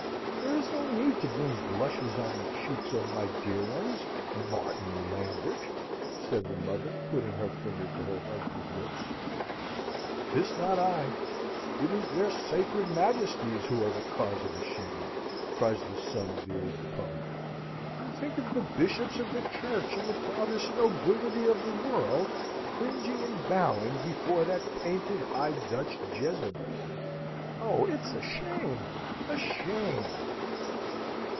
There is no need to bring blushes on the cheeks of my dear ones, Martin Lambert!" said the mother, putting her finger to her husband's lips. "'Tis not I; it is their sacred Majesties who are the cause of the shame," cries the son of the old republican. "Think of the bishops of the Church and the proudest nobility of the world cringing and bowing before that painted High Dutch Jezebel. Oh, it's a shame! a shame!"